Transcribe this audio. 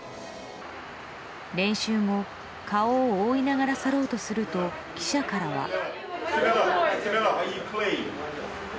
練習も顔を覆いながら去ろうとすると記者からは。